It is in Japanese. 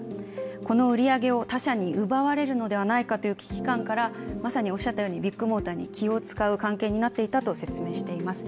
この売り上げを他社に奪われるのではないかという危機感からまさにビッグモーターに気を遣う関係になっていたと説明しています。